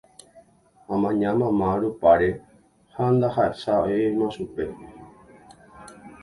amaña mama rupáre ha ndahechavéima chupe